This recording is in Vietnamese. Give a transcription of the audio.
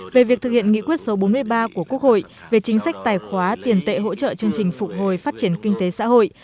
về việc thực hiện nghị quyết số bốn mươi ba của quốc hội về chính sách tài khóa tiền tệ hỗ trợ chương trình phục hồi phát triển kinh tế xã hội